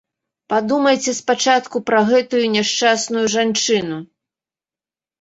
Падумайце спачатку пра гэтую няшчасную жанчыну.